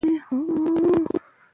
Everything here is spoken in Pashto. انګریزان جنگ ته اړ سول.